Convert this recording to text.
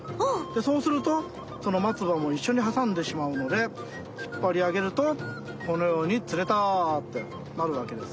そうするとそのまつばもいっしょにはさんでしまうのでひっぱりあげるとこのように「釣れた」ってなるわけです。